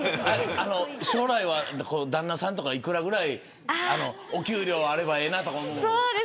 将来は旦那さんとかいくらぐらいお給料があればええなと思う。